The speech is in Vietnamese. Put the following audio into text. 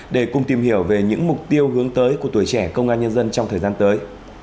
để cùng tìm hiểu về những mục tiêu hướng tới của tuổi trẻ công an nhân dân trong thời gian tới